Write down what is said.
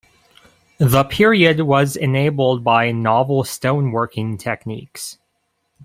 The period was enabled by novel stone working techniques.